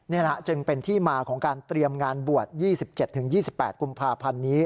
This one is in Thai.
จึงเป็นที่มาของการเตรียมงานบวช๒๗๒๘กุมภาพันธ์นี้